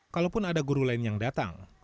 kalaupun ada guru lain yang datang